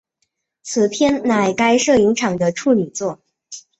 此片乃该摄影场的处女作。